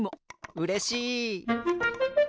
うれしい！